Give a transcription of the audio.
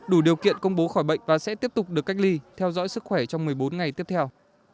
đủ điều kiện công bố khỏi bệnh và sẽ tiếp tục được cách ly theo dõi sức khỏe trong một mươi bốn ngày tiếp theo